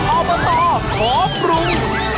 ออเบอร์ตอขอบรุง